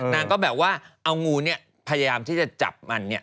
นางก็แบบว่าเอางูพยายามที่จะจับมัน